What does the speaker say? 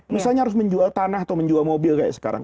misalnya harus menjual tanah atau menjual mobil kayak sekarang